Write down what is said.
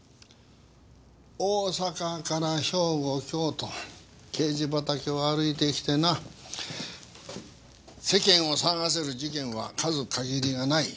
大阪から兵庫京都刑事畑を歩いてきてな世間を騒がせる事件は数限りがない。